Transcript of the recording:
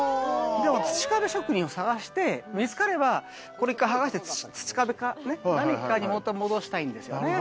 でも土壁職人を探して見つかればこれを外して土壁に戻したいんですよね。